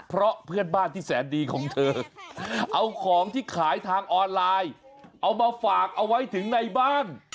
เพราะเพื่อนบ้านที่แสนดีของเธอเอาของที่ขายทางออนไลน์เอามาฝากเอาไว้ถึงในบ้าน